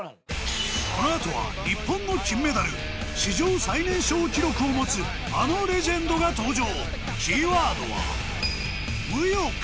このあとは日本の金メダル史上最年少記録を持つあのレジェンドが登場